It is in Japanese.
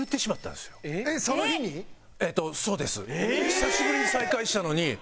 久しぶりに再会したのに。